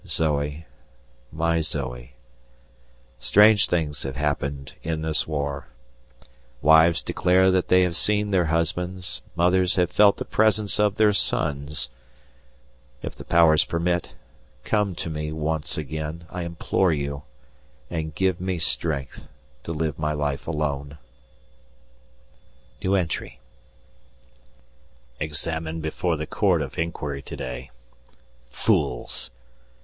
Zoe, my Zoe, strange things have happened in this war; wives declare they have seen their husbands, mothers have felt the presence of their sons; if the powers permit, come to me once again, I implore you, and give me strength to live my life alone. Examined before the Court of Inquiry to day. Fools!